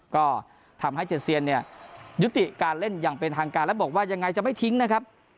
ก็ทำให้เจเซียนเนี่ยยุติการเล่นอย่างเป็นทางการแล้วบอกว่ายังไงจะไม่ทิ้งนะครับ